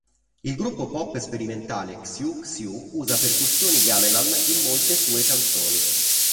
Il gruppo pop sperimentale Xiu Xiu usa percussioni gamelan in molte sue canzoni.